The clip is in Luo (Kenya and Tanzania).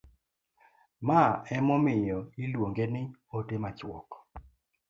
mae emomiyo iluonge ni ote machuok